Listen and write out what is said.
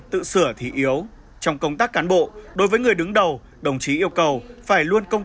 tự sửa thì yếu trong công tác cán bộ đối với người đứng đầu đồng chí yêu cầu phải luôn công